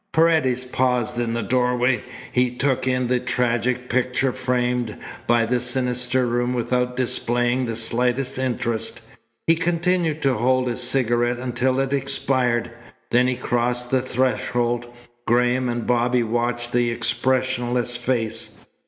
Paredes paused in the doorway. He took in the tragic picture framed by the sinister room without displaying the slightest interest. He continued to hold his cigarette until it expired. Then he crossed the threshold. Graham and Bobby watched the expressionless face.